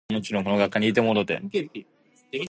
Isaacs received a bronze.